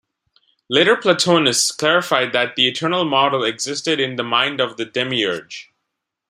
Later Platonists clarified that the eternal model existed in the mind of the Demiurge.